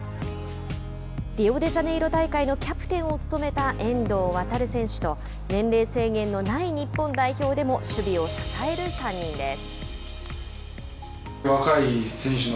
リオデジャネイロ大会のキャプテンを務めた遠藤航選手と年齢制限のない日本代表でも守備を支える３人です。